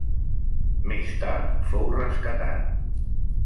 Més tard fou rescatat.